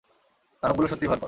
দানবগুলো সত্যিই ভয়ংকর।